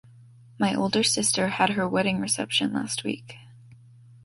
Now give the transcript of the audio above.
My older sister had her wedding reception last week.